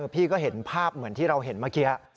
พี่ก็เห็นภาพเหมือนที่เราเห็นเมื่อกี้